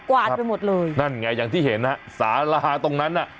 วาดไปหมดเลยนั่นไงอย่างที่เห็นฮะสาราตรงนั้นน่ะ